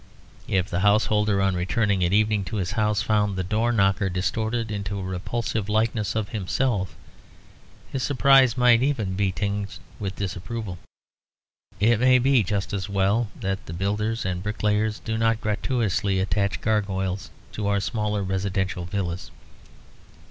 If the householder, on returning at evening to his house, found the door knocker distorted into a repulsive likeness of himself, his surprise might even be tinged with disapproval. It may be just as well that builders and bricklayers do not gratuitously attach gargoyles to our smaller residential villas.